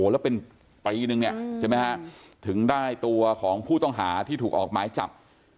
แล้วเป็นปีนึงถึงได้ตัวของผู้ต้องหาที่ถูกออกหมายจับ